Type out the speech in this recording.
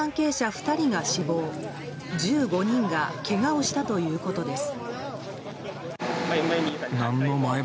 ２人が死亡１５人がけがをしたということです。